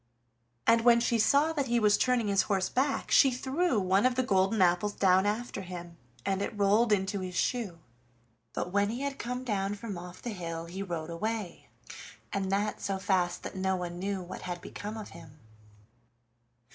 And when she saw that he was turning his horse back she threw one of the golden apples down after him, and it rolled into his shoe. But when he had come down from off the hill he rode away, and that so fast that no one knew what had become of him.